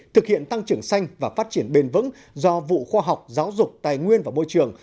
thực hiện tăng trưởng xanh và phát triển bền vững do vụ khoa học giáo dục tài nguyên và môi trường